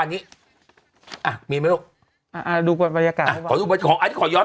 ก็เดี๋ยวน้องเข้าคุยกันกันดีกว่าครับ